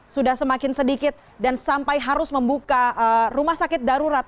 sudah semakin sedikit dan sampai harus membuka rumah sakit darurat